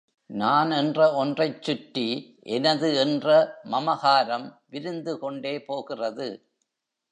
நான் என்ற ஒன்றைச் சுற்றி எனது என்ற மமகாரம் விரிந்து கொண்டே போகிறது.